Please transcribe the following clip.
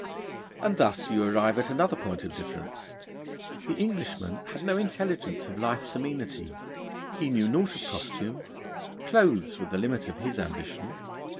And thus you arrive at another point of difference. The Englishman had no intelligence of life's amenity. He knew naught of costume: clothes were the limit of his ambition.